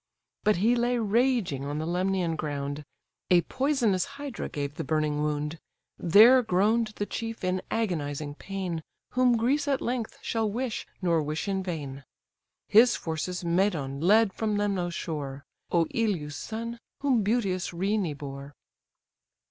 But he lay raging on the Lemnian ground, A poisonous hydra gave the burning wound; There groan'd the chief in agonizing pain, Whom Greece at length shall wish, nor wish in vain. His forces Medon led from Lemnos' shore, Oïleus' son, whom beauteous Rhena bore.